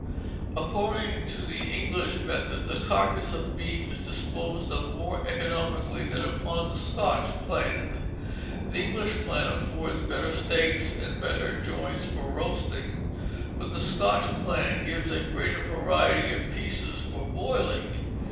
According to the English method the carcase of beef is disposed of more economically than upon the Scotch plan. The English plan affords better steaks, and better joints for roasting; but the Scotch plan gives a greater variety of pieces for boiling.